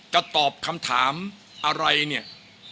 ตอบคำถามอะไรเนี่ย